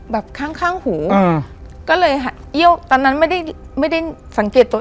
ข้างข้างหูอ่าก็เลยเอี้ยวตอนนั้นไม่ได้ไม่ได้สังเกตตัวเอง